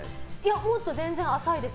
もっと全然浅いです。